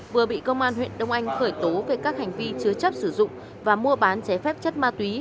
vừa bị công an huyện đông anh khởi tố về các hành vi chứa chấp sử dụng và mua bán trái phép chất ma túy